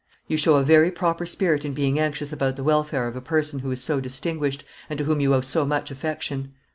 You show a very proper spirit in being anxious about the welfare of a person who is so distinguished, and to whom you owe so much affection."